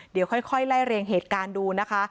เดี๋ยวค่อยไล่เรียงเหตุการณ์ดูนะคะ